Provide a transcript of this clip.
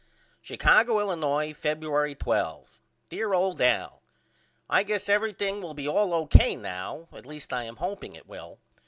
Chicago, Illinois, Febuer'y 12. DEAR OLD AL: I guess everthing will be all O.K. now at least I am hopeing it will.